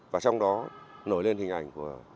và trong đó nổi lên hình ảnh của